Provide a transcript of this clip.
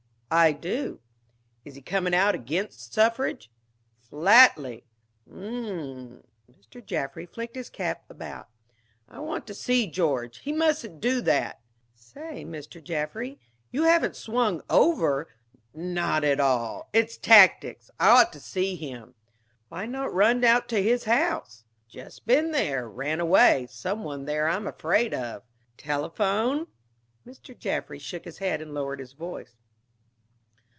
"I do." "Is he coming out against suffrage?" "Flatly." "Umm!" Mr. Jaffry flicked his cap about. "I want to see George. He mustn't do that." "Say, Mr. Jaffry, you haven't swung over " "Not at all. It's tactics. I ought to see him." "Why not run out to his house " "Just been there. Ran away. Some one there I'm afraid of." "Telephone?" Mr. Jaffry shook his head and lowered his voice.